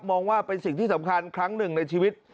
มองว่าเป็นสิ่งที่สำคัญครั้งหนึ่งในชีวิต